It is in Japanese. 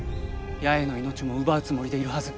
八重の命も奪うつもりでいるはず。